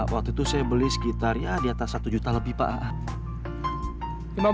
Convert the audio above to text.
waktu itu saya beli sekitar ya di atas satu juta lebih pak